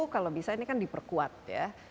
kalau bisa ini kan diperkuat ya